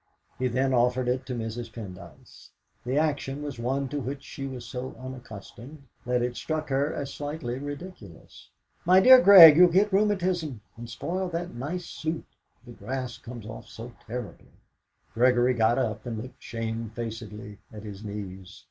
He then offered it to Mrs. Pendyce. The action was one to which she was so unaccustomed that it struck her as slightly ridiculous. "My dear Grig, you'll get rheumatism, and spoil that nice suit; the grass comes off so terribly!" Gregory got up, and looked shamefacedly at his knees.